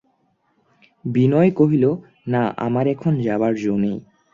বিনয় কহিল, না, আমার এখন যাবার জো নেই।